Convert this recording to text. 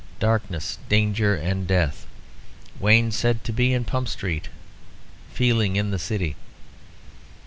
DARKNESS, DANGER, AND DEATH. WAYNE SAID TO BE IN PUMP STREET. FEELING IN THE CITY."